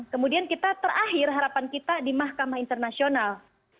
kemudian kita terakhir harapan kita di mahkamah internasional